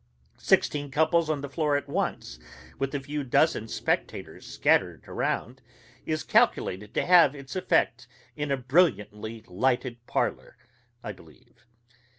Sixteen couples on the floor at once, with a few dozen spectators scattered around, is calculated to have its effect in a brilliantly lighted parlor, I believe.